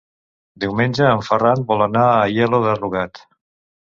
Diumenge en Ferran vol anar a Aielo de Rugat.